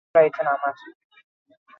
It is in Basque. Ez dago horren zertzelada handirik.